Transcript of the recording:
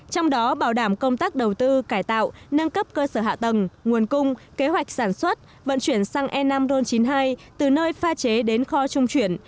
trong đó bảo đảm công tác đầu tư cải tạo nâng cấp cơ sở hạ tầng nguồn cung kế hoạch sản xuất vận chuyển xăng e năm ron chín mươi hai từ nơi pha chế đến kho trung chuyển